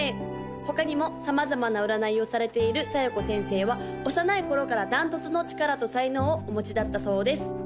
他にも様々な占いをされている小夜子先生は幼い頃から断トツの力と才能をお持ちだったそうです